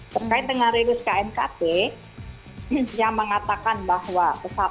terkait dengan rilis knkt yang mengatakan bahwa